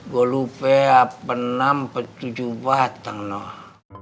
gue lupa apa enam empat tujuh batang nah